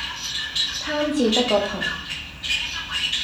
貪字得個貧